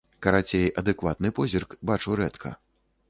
Карацей, адэкватны позірк бачу рэдка.